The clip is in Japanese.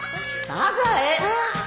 サザエ！